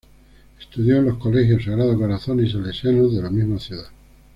Estudió en los Colegios Sagrados Corazones y Salesianos de la misma ciudad.